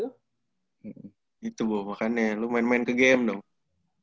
gitu boh makanya lu main main ke gm dong